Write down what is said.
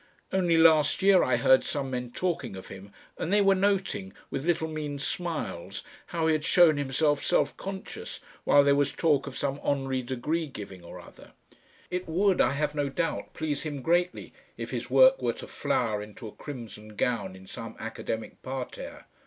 Only last year I heard some men talking of him, and they were noting, with little mean smiles, how he had shown himself self conscious while there was talk of some honorary degree giving or other; it would, I have no doubt, please him greatly if his work were to flower into a crimson gown in some Academic parterre.